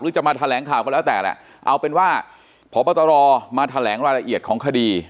จะมาแถลงข่าวก็แล้วแต่แหละเอาเป็นว่าพบตรมาแถลงรายละเอียดของคดี